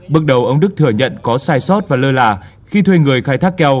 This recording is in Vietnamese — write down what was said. bước đầu ông đức thừa nhận có sai sót và lơ là khi thuê người khai thác keo